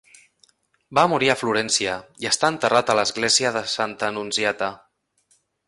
Va morir a Florència, i està enterrat a l'església de Santa Annunziata